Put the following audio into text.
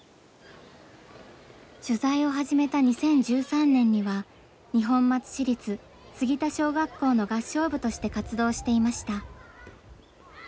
取材を始めた２０１３年には二本松市立杉田小学校の合唱部として活動していました。